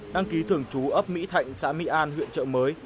đăng ký thưởng chú ấp mỹ thạnh xã mỹ an huyện chợ mới